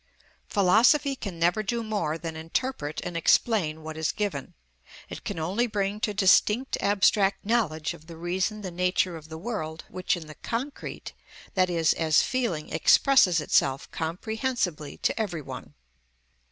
Philosophy can never do more than interpret and explain what is given. It can only bring to distinct abstract knowledge of the reason the nature of the world which in the concrete, that is, as feeling, expresses itself comprehensibly to every one.